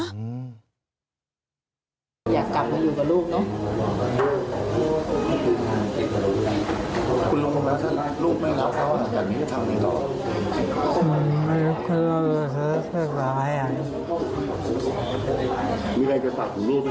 คุณลุงเรียกเลี้ยงส่งเสียลูกเรียนจบใช่ไหม